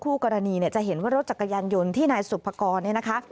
คู่กรณีเนี่ยจะเห็นว่ารถจักรยานยนต์ที่นายสุภกรเนี่ยนะคะ